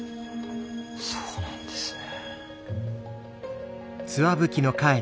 そうなんですね。